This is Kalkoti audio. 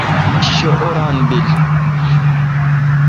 شہ اوران بیل